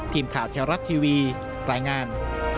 ทีมข่าวเที่ยวรัฐทีวีปรายงาน